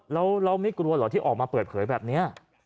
แล้วไม่กลัวเหรอที่ออกมาเปิดเผยแบบนี้